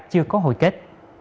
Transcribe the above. chưa có hồi kết